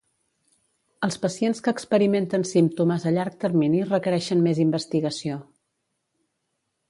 Els pacients que experimenten símptomes a llarg termini requereixen més investigació.